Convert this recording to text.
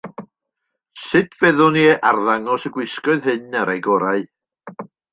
Sut feddwn ni arddangos y gwisgoedd hyn ar eu gorau?